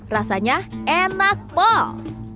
rasanya enak pol